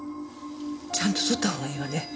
ちゃんと剃ったほうがいいわね。